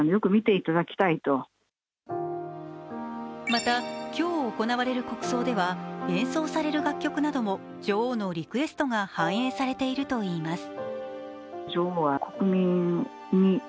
また、今日行われる国葬では演奏される楽曲なども女王のリクエストが反映されているといいます。